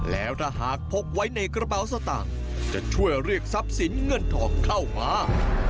แล้วถ้าหากพกไว้ในกระเป๋าสตางค์จะช่วยเรียกทรัพย์สินเงินทองเข้ามา